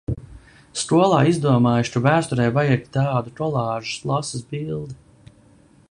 Skolā izdomājuši, ka vēsturei vajag tādu kolāžas klases bildi.